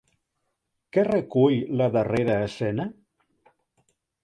Què recull la darrera escena?